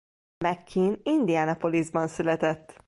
McKean Indianapolisban született.